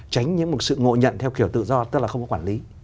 tránh những một sự ngộ nhận theo kiểu tự do tức là không có quản lý